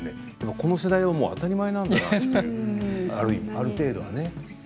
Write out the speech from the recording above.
この世代は当たり前なんだなとある程度は。